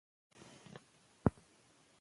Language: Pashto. زه د سونا او یخو اوبو تجربه ګډوم.